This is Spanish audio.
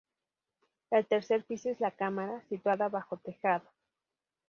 El tercer piso es la cámara, situada bajo tejado.